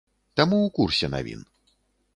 Таму ў курсе навін.